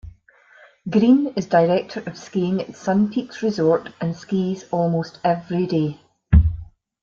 Greene is director of skiing at Sun Peaks Resort and skis almost every day.